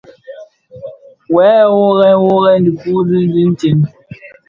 Wè wuorèn wuorèn dhi dikuu ditsem.